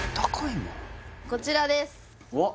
こちらです